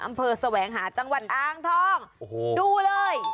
อำเภอแสวงหาจังหวัดอางทองดูเลย